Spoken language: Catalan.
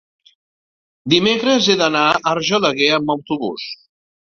dimecres he d'anar a Argelaguer amb autobús.